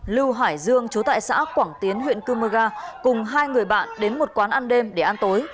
lưu hải dương chú tại xã quảng tiến huyện cơ mơ ga cùng hai người bạn đến một quán ăn đêm để ăn tối